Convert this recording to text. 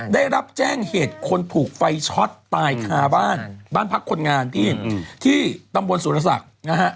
ได้รับแจ้งเหตุคนถูกไฟช็อตตายคาบ้านบ้านพักคนงานที่ตำบลสุรศักดิ์นะฮะ